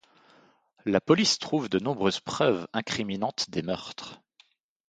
La police trouve de nombreuses preuves incriminantes des meurtres.